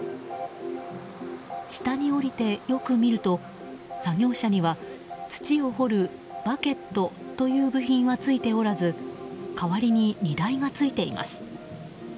下に下りて、よく見ると作業車には土を掘るバケットという部品はついておらず代わりに荷台がついています。